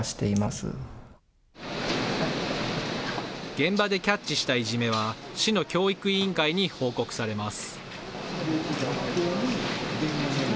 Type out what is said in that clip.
現場でキャッチしたいじめは市の教育委員会に報告されます。